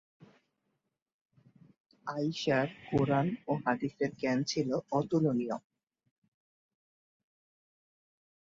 আয়িশার কুরআন ও হাদিসের জ্ঞান ছিল অতুলনীয়।